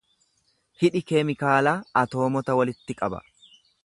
Hidhi keemikaalaa atoomota walitti qaba.